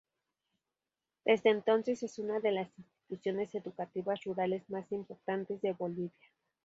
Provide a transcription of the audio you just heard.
Desde entonces es una de las instituciones educativas rurales más importantes de Bolivia.